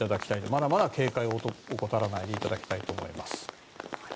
まだまだ警戒を怠らないでいただきたいと思います。